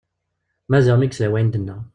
Maziɣ mi yesla i wayen d-tenna.